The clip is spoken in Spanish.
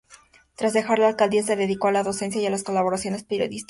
Tras dejar la alcaldía se dedicó a la docencia y a las colaboraciones periodísticas.